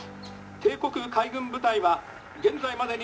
帝国海軍部隊は現在までに」。